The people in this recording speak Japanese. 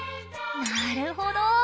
なるほど！